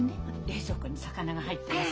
冷蔵庫に魚が入ってますから。